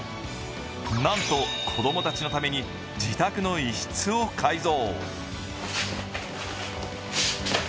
なんと子供たちのために自宅の一室を改造。